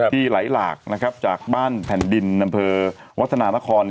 ที่ไหลหลากจากบ้านแผ่นดินอำเภอวัฒนานคร